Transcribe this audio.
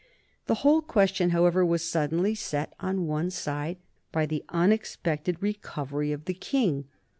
The whole question, however, was suddenly set on one side by the unexpected recovery of the King.